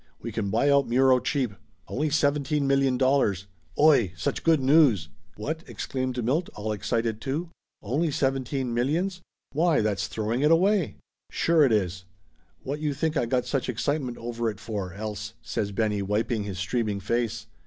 "We can buy out Muro cheap ! Only seventeen million dollars ! Oy ! Such good news !" "What?" exclaimed Milt, all excited too. "Only seventeen millions ? Why, that's throwing it away !" 334 Laughter Limited "Sure it is ! What you think I got such excitement over it for, else?" says Benny wiping his streaming face.